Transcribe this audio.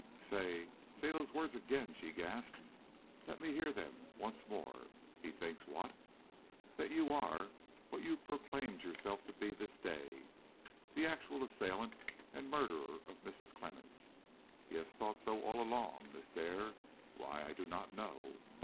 "Say say those words again!" she gasped. "Let me hear them once more. He thinks what?" "That you are what you proclaimed yourself to be this day, the actual assailant and murderer of Mrs. Clemmens. He has thought so all along, Miss Dare, why, I do not know.